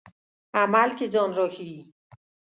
عمل کې ځان راښيي.